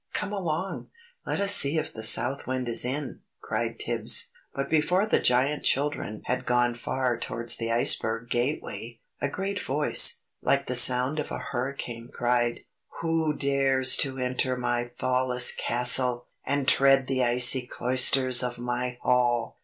"Come along! Let us see if the South Wind is in" cried Tibbs. But before the giant children had gone far towards the iceberg gateway, a great voice, like the sound of a hurricane, cried: "Who dares to enter my thawless Castle, and tread the icy cloisters of my hall?